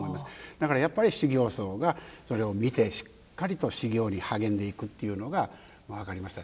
だから、やっぱり修行僧がそれを見てしっかりと修行に励んでいくというのが分かりました。